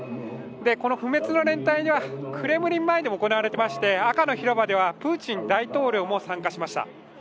この不滅の連隊がクレムリン前でも行われていまして赤の広場ではプーチン大統領も参加しました。